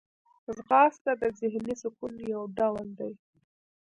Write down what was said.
ځغاسته د ذهني سکون یو ډول دی